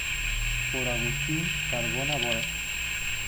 Por Agustin Carbonell Bola.